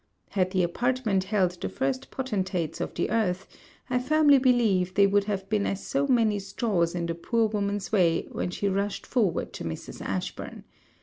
Had the apartment held the first potentates of the earth, I firmly believe they would have been as so many straws in the poor woman's way when she rushed forward to Mrs. Ashburn.